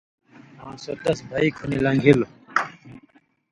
آں سو تَس بھئ کُھنی لن٘گِھلیۡ۔